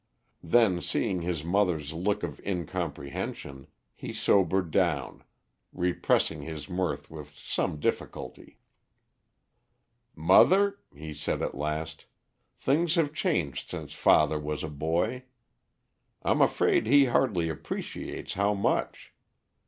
Then seeing his mother's look of incomprehension, he sobered down, repressing his mirth with some difficulty. "Mother," he said at last, "things have changed since father was a boy; I'm afraid he hardly appreciates how much.